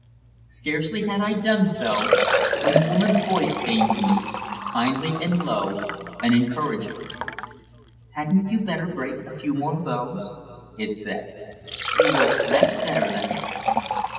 Scarcely had I done so when a woman's voice came to me, kindly and low and encouraging. "Hadn't you better break a few more boughs?" it said. "You will rest better then."